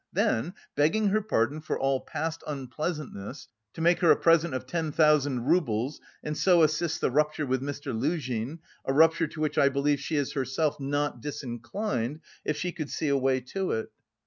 Then, begging her pardon for all past unpleasantness, to make her a present of ten thousand roubles and so assist the rupture with Mr. Luzhin, a rupture to which I believe she is herself not disinclined, if she could see the way to it."